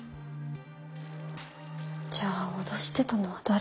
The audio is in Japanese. じゃあ脅してたのは誰？